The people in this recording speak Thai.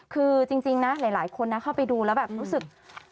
คือจริงนะหลายคนนะเข้าไปดูแล้วแบบรู้สึก